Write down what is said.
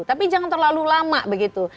tapi jangan terlalu lama begitu